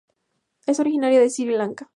Es originaria de Sri Lanka.